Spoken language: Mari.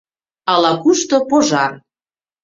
Ала-кушто пожар